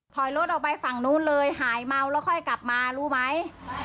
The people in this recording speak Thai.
ถอยรถออกไปฝั่งนู้นเลยหายเมาแล้วค่อยกลับมารู้ไหม